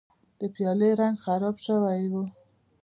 د پیالې رنګ خراب شوی و.